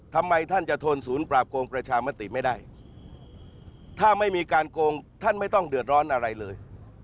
ทำไมท่านจะทนศูนย์ปราบโกงประชามติไม่ได้ถ้าไม่มีการโกงท่านไม่ต้องเดือดร้อนอะไรเลย